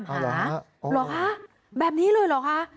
เหรอคะแบบนี้เลยเหรอคะ